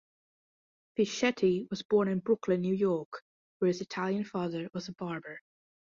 Fischetti was born in Brooklyn, New York, where his Italian father was a barber.